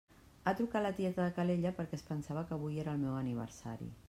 Ha trucat la tieta de Calella perquè es pensava que avui era el meu aniversari.